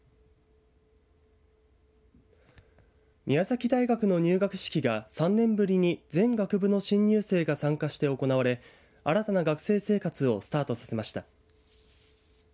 宮崎大学の入学式が３年ぶりに全学部の新入生が参加して行われ新たな学生生活をスタートさせました。